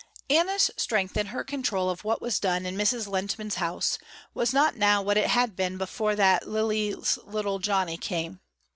Anna's strength in her control of what was done in Mrs. Lehntman's house, was not now what it had been before that Lily's little Johnny came.